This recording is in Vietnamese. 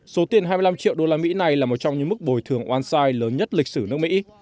số tiền hai mươi năm triệu đô la mỹ này là một trong những mức bồi thường oan sai lớn nhất lịch sử nước mỹ